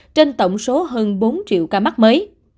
trên tổng số hơn bốn triệu ca mắc mới